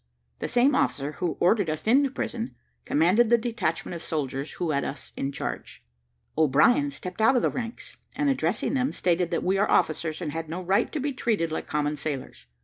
The same officer who ordered us into prison, commanded the detachment of soldiers who had us in charge. O'Brien stepped out of the ranks, and addressing them, stated that we are officers, and had no right to be treated like common sailors.